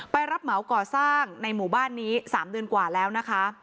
รับเหมาก่อสร้างในหมู่บ้านนี้๓เดือนกว่าแล้วนะคะ